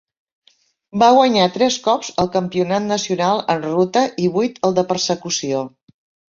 Va guanyar tres cops el campionat nacional en ruta i vuit el de persecució.